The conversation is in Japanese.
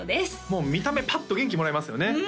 もう見た目パッと元気もらえますよね